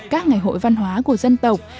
các ngày hội văn hóa của dân tộc